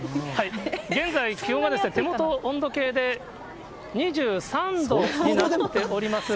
現在、気温は手もとの温度計で２３度になっております。